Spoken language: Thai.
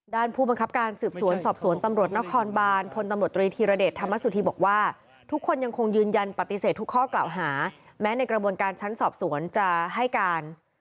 ผู้บังคับการสืบสวนสอบสวนตำรวจนครบานพลตำรวจตรีธีรเดชธรรมสุธีบอกว่าทุกคนยังคงยืนยันปฏิเสธทุกข้อกล่าวหาแม้ในกระบวนการชั้นสอบสวนจะให้การ